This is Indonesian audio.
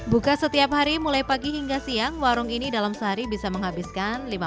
buka setiap hari mulai pagi hingga siang warung ini dalam sehari bisa menghabiskan